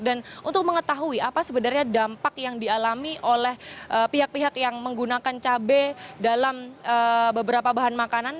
dan untuk mengetahui apa sebenarnya dampak yang dialami oleh pihak pihak yang diperlukan